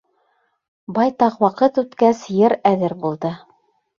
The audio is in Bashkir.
Байтаҡ ваҡыт үткәс, йыр әҙер булды.